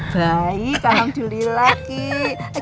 baik alhamdulillah gigi